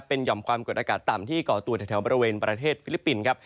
เป็นห่อมความกดอากาศต่ำที่ก่อตัวแถวบริเวณประเทศฟิลิปปินส์ครับ